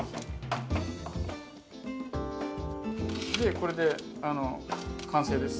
これで完成です。